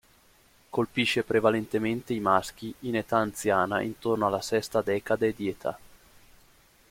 Colpisce prevalentemente i maschi in età anziana intorno alla sesta decade di età.